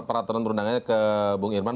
peraturan perundangannya ke bung irman